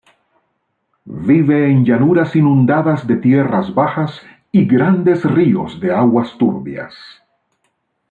Vive en llanuras inundadas de tierras bajas y grandes ríos de aguas turbias.